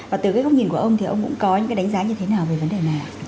và từ cái góc nhìn của ông thì ông cũng có những cái đánh giá như thế nào về vấn đề này